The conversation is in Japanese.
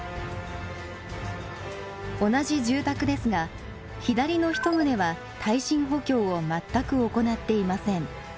同じ住宅ですが左の１棟は耐震補強を全く行っていません。